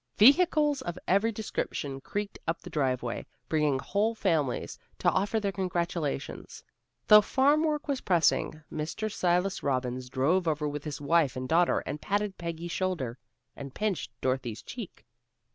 Vehicles of every description creaked up the driveway, bringing whole families to offer their congratulations. Though farm work was pressing, Mr. Silas Robbins drove over with his wife and daughter, and patted Peggy's shoulder, and pinched Dorothy's cheek.